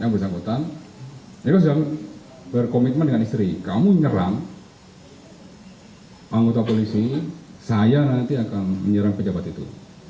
pengguna polisi saya nanti akan menyerang pejabat itu